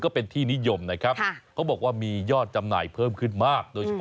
ก็เป็นที่นิยมนะครับเขาบอกว่ามียอดจำหน่ายเพิ่มขึ้นมากโดยเฉพาะ